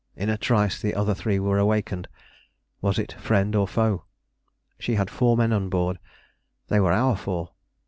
In a trice the other three were awakened. Was it friend or foe? She had four men on board: they were our four.